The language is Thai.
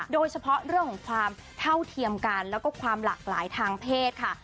โดยเฉพาะเรื่องของความเท่าเทียมกันแล้วก็ความหลากหลายทางเพศค่ะ